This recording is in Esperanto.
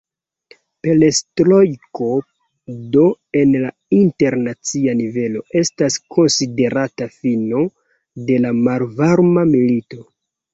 Perestrojko do, en la internacia nivelo, estas konsiderata fino de la Malvarma milito.